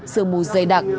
sương mù dày đặc